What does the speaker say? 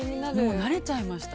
もう慣れちゃいました。